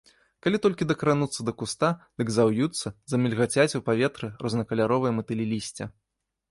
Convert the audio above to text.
Калі толькі дакрануцца да куста, дык заўюцца, замільгацяць у паветры рознакаляровыя матылі лісця.